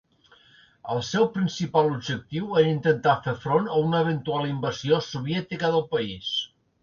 El seu principal objectiu era intentar fer front a una eventual invasió soviètica del país.